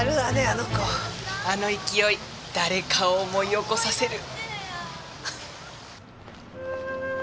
あの勢い誰かを思い起こさせる。